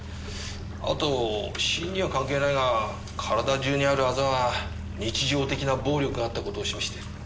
あと死因には関係ないが体中にあるアザは日常的な暴力があった事を示してる。